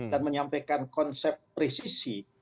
dan menyampaikan konsep presisi